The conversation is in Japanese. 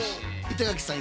板垣さん